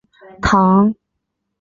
唐朝政治人物。